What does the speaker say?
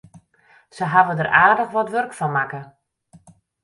Se hawwe der aardich wat wurk fan makke.